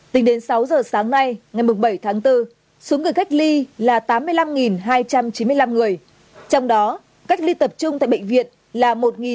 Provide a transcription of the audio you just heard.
tính đến sáu giờ sáng nay ngày bảy tháng bốn xuống người cách ly là tám mươi năm hai trăm chín mươi năm người trong đó cách ly tập trung tại bệnh viện là một hai trăm bốn mươi tám